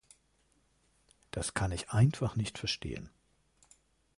Das kann ich einfach nicht verstehen.